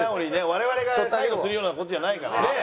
我々が関与するような事じゃないからね。